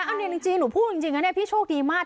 อ้ะแต่หนึ่งจริงพี่โชคดีมาก